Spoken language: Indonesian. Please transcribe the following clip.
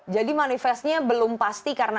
jadi manifestnya belum pasti karena